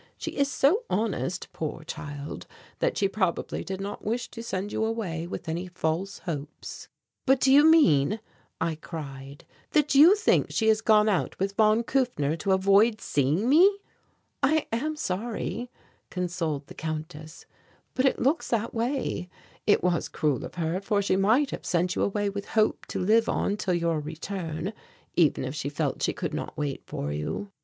She is so honest, poor child, that she probably did not wish to send you away with any false hopes." "But do you mean," I cried, "that you think she has gone out with von Kufner to avoid seeing me?" "I am sorry," consoled the Countess, "but it looks that way. It was cruel of her, for she might have sent you away with hope to live on till your return, even if she felt she could not wait for you."